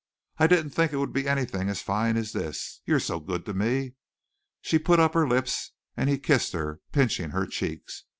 "I didn't think it would be anything as fine as this. You're so good to me." She put up her lips and he kissed her, pinching her cheeks.